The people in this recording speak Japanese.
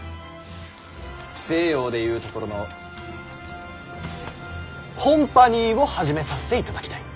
西洋でいうところの「コンパニー」を始めさせていただきたい。